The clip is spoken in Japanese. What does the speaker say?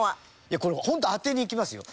いやホント当てにいきますよ。